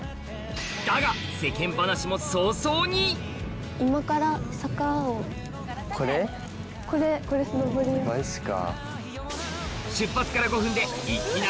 だが世間話も早々にマジか。